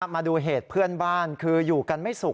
มาดูเหตุเพื่อนบ้านคืออยู่กันไม่สุข